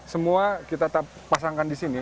semua kita pasangkan di sini